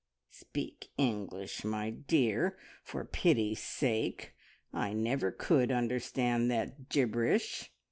"Speak English, my dear, for pity's sake! I never could understand that gibberish.